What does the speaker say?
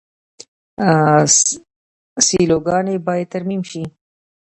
سیلوګانې باید ترمیم شي.